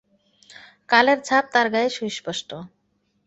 কালের ছাপ তার গায়ে সুস্পষ্ট।